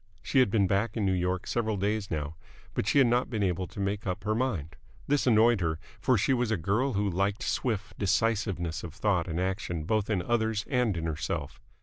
She had been back in New York several days now, but she had not been able to make up her mind. This annoyed her, for she was a girl who liked swift decisiveness of thought and action both in others and in herself.